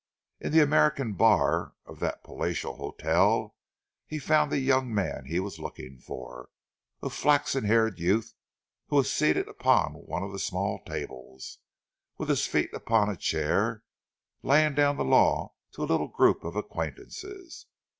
In the American bar of that palatial hotel he found the young man he was looking for a flaxen haired youth who was seated upon one of the small tables, with his feet upon a chair, laying down the law to a little group of acquaintances.